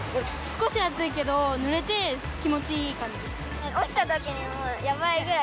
少し暑いけど、ぬれて気持ちいいから。